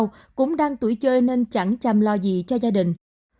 những người là bao cũng đang tuổi chơi nên chẳng chăm lo gì cho gia đình